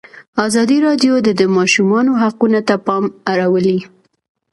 ازادي راډیو د د ماشومانو حقونه ته پام اړولی.